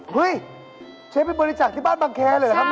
เฮ้ยเชฟไปบริจักษ์ที่บ้านบังแคเลยเหรอครับ